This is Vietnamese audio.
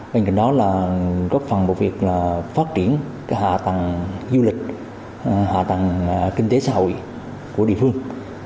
bên cạnh đó là góp phần vào việc phát triển hạ tầng du lịch hạ tầng kinh tế xã hội của địa phương